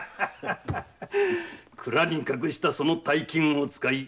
蔵に隠した大金を使い